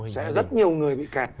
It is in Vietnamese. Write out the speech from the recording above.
sẽ rất nhiều người bị kẹt